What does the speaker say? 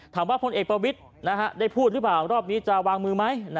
พลเอกประวิทย์ได้พูดหรือเปล่ารอบนี้จะวางมือไหม